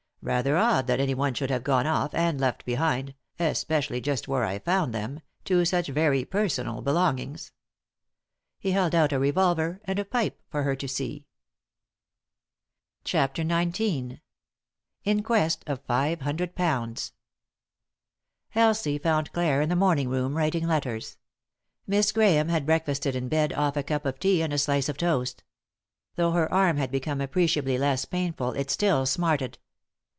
Rather odd that anyone should have gone off, and left behind — especially just where I found them — two such very personal belongings." He held out a revolver and a pipe for her to see. 3i 9 iii^d by Google CHAPTER XTX IN QUEST OF FIVE HUNDRED POUNDS Elsie found Clare in the morning room, writing letters. Miss Grahame bad breakfasted in bed off a cup of tea and a slice of toast. Though her arm had become appreciably less painful it still smarted.